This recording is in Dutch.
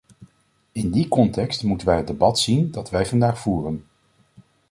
In die context moeten wij het debat zien dat wij vandaag voeren.